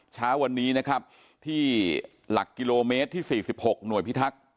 เช้าวันนี้นะครับที่หลักกิโลเมตรที่๔๖หน่วยพิทักษ์